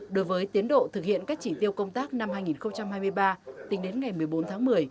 đối với tiến độ thực hiện các chỉ tiêu công tác năm hai nghìn hai mươi ba tính đến ngày một mươi bốn tháng một mươi